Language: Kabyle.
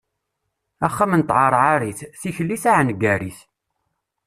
Axxam n tɛerɛarit, tikli taɛengarit.